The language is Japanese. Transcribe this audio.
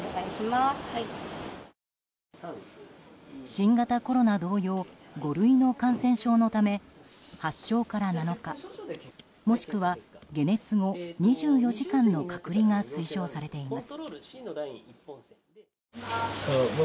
新型コロナ同様５類の感染症のため発症から７日、もしくは解熱後２４時間の隔離が推奨されています。